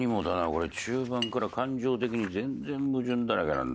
これ中盤から感情的に全然矛盾だらけなんだよ。